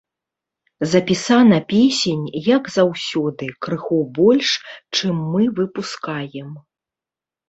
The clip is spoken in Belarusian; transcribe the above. Запісана песень, як заўсёды, крыху больш, чым мы выпускаем.